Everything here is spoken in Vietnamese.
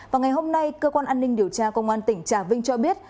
vào ngày hôm nay cơ quan an ninh điều tra công an tỉnh trà vinh cho biết